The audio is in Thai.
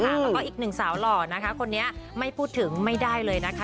แล้วก็อีกหนึ่งสาวหล่อนะคะคนนี้ไม่พูดถึงไม่ได้เลยนะคะ